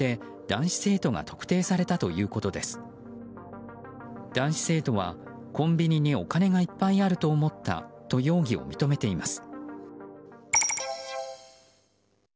男子生徒はコンビニにお金がいっぱいあると思ったと容疑を認めています。